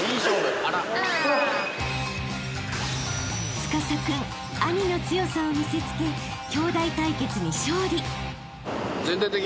［司君兄の強さを見せつけ兄弟対決に勝利］